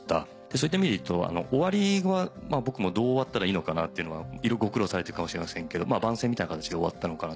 そういった意味でいうと終わりはどう終わったらいいのかなっていうのはいろいろご苦労されてるかもしれませんけど番宣みたいな形で終わったのかな。